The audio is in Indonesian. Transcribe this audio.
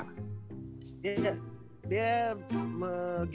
game pertamanya dia udah masuk saktin full ya